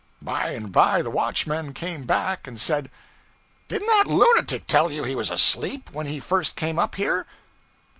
By and by the watchman came back and said 'Didn't that lunatic tell you he was asleep, when he first came up here?'